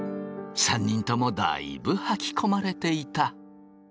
３人ともだいぶはきこまれていた。